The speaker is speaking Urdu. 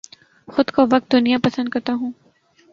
خود کو وقت دنیا پسند کرتا ہوں